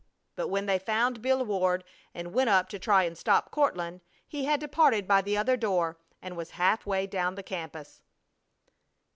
But when they found Bill Ward and went up to try and stop Courtland he had departed by the other door and was half way down the campus.